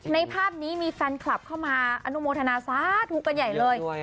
ในภาพนี้มีแฟนคลับเข้ามาอนุโมทนาสาธุกันใหญ่เลย